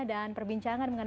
dan perbincangan mengenai lima g